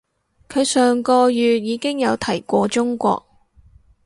佢上個月已經有提過中國